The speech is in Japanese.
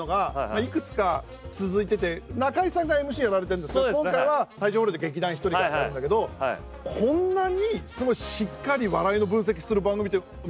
いくつか続いてて中居さんがＭＣやられてるんですが今回は体調不良で劇団ひとりがやってるんだけどこんなにすごいしっかり笑いの分析する番組って見たことなかった。